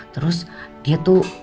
terus dia tuh